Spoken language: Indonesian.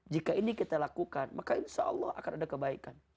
jika ini kita lakukan maka insya allah akan ada kebaikan